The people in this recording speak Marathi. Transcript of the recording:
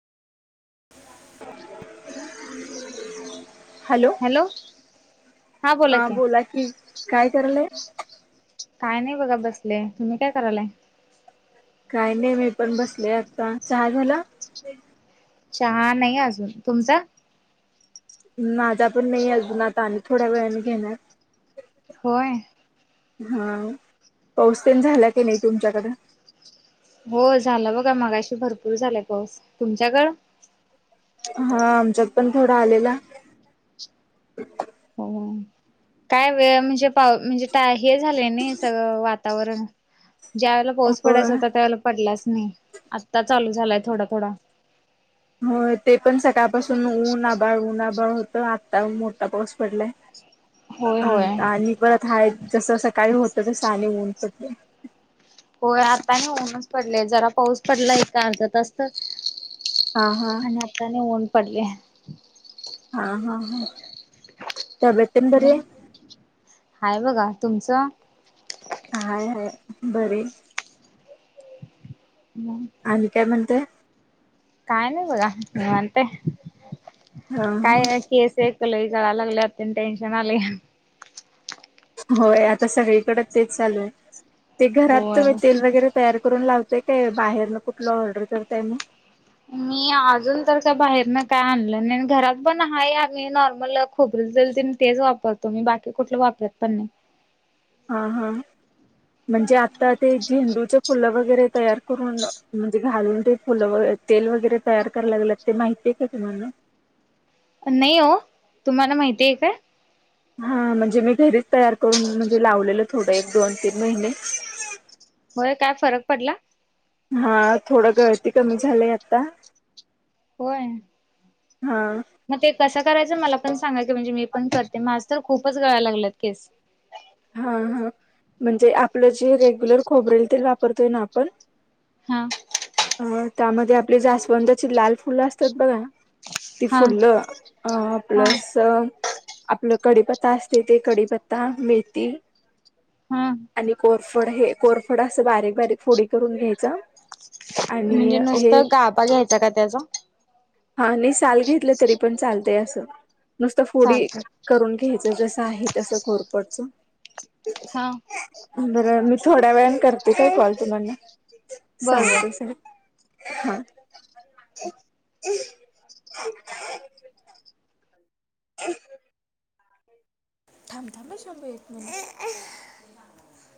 [inaudible] हॅलो. हा बोला कि, काय करायला? काय नाही बघा बसले. तुम्ही काय करायलाय? काय नाही. मी पण बसले आता, चहा झाला? चहा नाही अजून, तुमचा? माझा पण नाही अजून, आता आणि थोड्या वेळाने घेणार. होय. हां, पाऊस ते न झाला की नाही तुमच्याकडं? हो झाला बघा मगाशी भरपूर झालाय पाऊस. तुमच्याकड? हां, आमच्यात पण थोडा आलेला. हो. काय वेळ म्हणजे पाव म्हणजे, हे टाय झालेय ना सगळं वातावरण- ज्या वेळेला पाऊस होय पडायचा होता. त्या वळेला पडलाच नाही. आत्ता चालू झालाय थोडा थोडा होय ते पण सकाळपासून ऊन आभाळ ऊन आभाळ होतं. आत्ता मोठा पाऊस पडलाय. होय होय अं आणि परत हा जस सकाळी होत तसं आणि ऊन पडलंय. होय आता नी ऊनच पडलंय. जरा पाऊस पडलाय एक अर्धा तास तर हां हां. आणि आता आणि ऊन पडलंय. हां हां हं तब्येत तेन बरी मग आहे हाय बघा. तुमचं? हाय हाय बरिय. मग आणि काय म्हणताय? काय नाही बघा निवांत हाय. हा हा काय केस एक लई गळायला लागल्यात तेन टेन्शन आलंय. होय आता सगळीकडे तेच चालू आहे. ते घरात होय. तुम्ही तेल वगैरे तयार करून लावताय. काय बाहेरन कुठलं ऑर्डर करताय? मग मी अजून तर काय बाहेरन काय आणलं नाही. घरात पण हाय आम्ही नॉर्मल खोबरेल तेल तेन तेच वापरतो. मी बाकी कुठलं वापरत पण नाही. हां हां. म्हणजे आता ते झेंडूच फुलं वगैरे तयार करून म्हणजे घालून ते फुलं व तेल वगैरे तयार कराय लागल्या. ते माहितीय का तुम्हाला? नाही हो, तुम्हाला माहिती आहे का? हा म्हणजे मी घरीच तयार करून म्हणजे लावलेलं थोडं एक दोन तीन महिने. होय काय फरक पडला? हा थोडं गळती कमी झालंय आत्ता. होय. हा मग ते कसं करायचं मला पण सांगाल क म्हणजे मी पण करते, माझ तर खूपच गळाय लागल्यात केस. हा हा म्हणजे आपलं जे रेग्युलर खोबरेल तेल वापरतोय ना आपण, हा अ त्यामध्ये आपली जास्वंदाची लाल फुलं असतात बघा ती हा फुल्लं अ हा प्लस आपलं कडीपत्ता असते ते कडीपत्ता, मेथी हा आणि कोर- फड हे कोरफड असं बारीक बारीक फोडी करून घ्यायच, आणि म्हणजे हे नुसतं गाबा घ्यायचा का त्याचा? हा नाही साल घेतले तरी पण चालतय असं, नुसतं फोडी चालतंय करून घ्यायचं जसं आहे तसं कोरफडचं. हा बरं मी थोड्या वेळाने करते काय कॉल तुम्हाला, बर बर. सांगते सह- हा [inaudible] थांब थांब ह शंभू एक मिनिट.